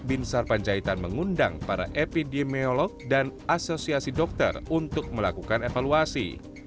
bin sarpanjaitan mengundang para epidemiolog dan asosiasi dokter untuk melakukan evaluasi